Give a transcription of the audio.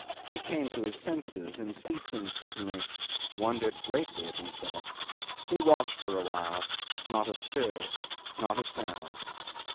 He came to his senses, and ceasing suddenly, wondered greatly at himself. He watched for a while. Not a stir, not a sound.